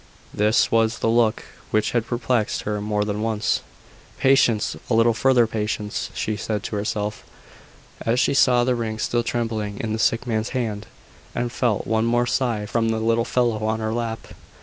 This was the look which had perplexed her more than once. "Patience! a little further patience!" she said to herself, as she saw the ring still trembling in the sick man's hand, and felt one more sigh from the little fellow on her lap.